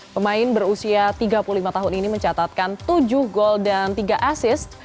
pemain berusia tiga puluh lima tahun ini mencatatkan tujuh gol dan tiga asis